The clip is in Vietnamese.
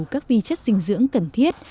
các vi chất dinh dưỡng cần thiết